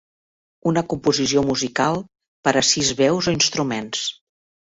Una composició musical per a sis veus o instruments